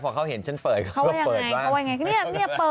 พอเขาเห็นฉันเปิดเขาก็เปิดแล้ว